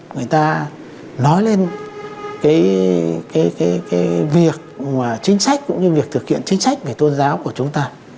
người ta nói lên việc thực hiện chính sách về tôn giáo của chúng ta